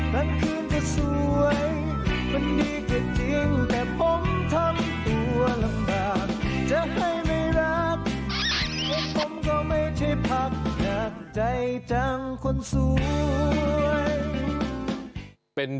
เป็นดอกปอเทืองที่